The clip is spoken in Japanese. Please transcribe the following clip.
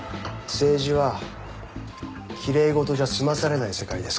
政治は奇麗事じゃ済まされない世界ですからね。